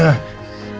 dimana tadi ambilin